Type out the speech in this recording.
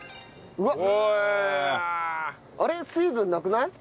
うわっ。